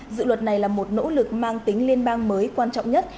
dự luật này là một nỗ lực mang tính liên bang mới quan trọng nhất